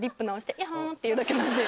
って言うだけなんで。